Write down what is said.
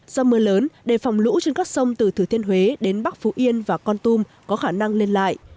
do mưa lớn đề phòng lũ trên các sông từ thừa thiên huế đến bắc phú yên và con tum có khả năng lên lại